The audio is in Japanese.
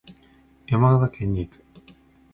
山形県に行く。